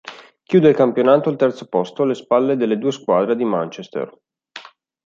Chiude il campionato al terzo posto alle spalle delle due squadre di Manchester.